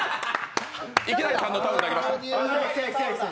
池谷さんのタオル、投げました。